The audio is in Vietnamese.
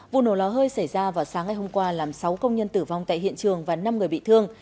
vụ nổ ló hơi xảy ra vào sáng ngày hôm qua làm sáu công nhân tử vong tại hiện trường và năm người bị thương